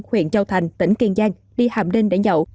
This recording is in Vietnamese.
huyện châu thành tỉnh kiên giang đi hạm đinh để dậu